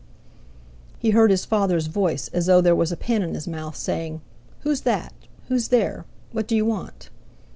He heard his father's voice, as though there were a pin in his mouth, saying: "Who's that? Who's there? What d'you want?"